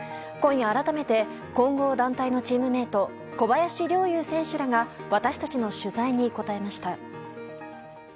今夜、改めて混合団体のチームメート、小林陵侑選手らが、私たちの取材に答えました。